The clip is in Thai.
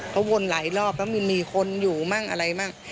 เขาวนหลายรอบแล้วมีคนอยู่บ้างอะไรบ้าง